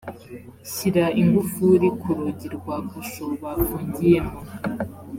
shyira ingufuri ku rugi rwa kasho bafungiyemo